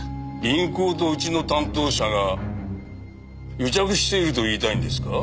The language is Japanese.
銀行とうちの担当者が癒着していると言いたいんですか？